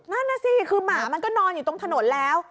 นั่นน่ะสิคือหมามันก็นอนอยู่ตรงถนนแล้ว